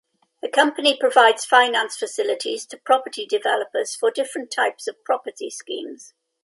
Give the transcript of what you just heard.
The company provides finance facilities to property developers for different types of property schemes.